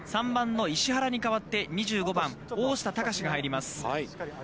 ３番の石原に代わって、２５番大下貴志が入ります。